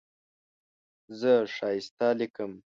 زه ښایسته لیکم.